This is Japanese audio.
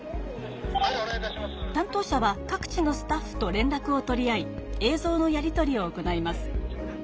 たん当者は各地のスタッフと連らくを取り合い映像のやり取りを行います。